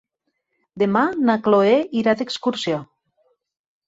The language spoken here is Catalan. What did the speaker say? Demà na Chloé irà d'excursió.